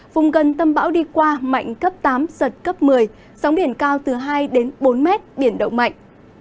vùng gần tâm bão đi qua mạnh cấp tám giật cấp một mươi sóng điển cao từ hai bốn m biển động mạnh